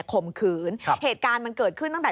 ข่มขืนครับเหตุการณ์มันเกิดขึ้นตั้งแต่